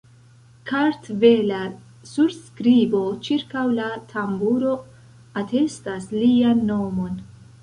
Kartvela surskribo ĉirkaŭ la tamburo atestas lian nomon.